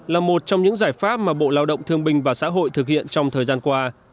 là một trong những giải pháp mà bộ lao động thương binh và xã hội thực hiện trong thời gian qua